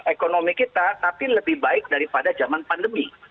ekonomi kita tapi lebih baik daripada zaman pandemi